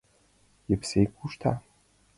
Епсей кушта.